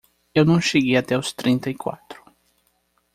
Eu não cheguei até os trinta e quatro.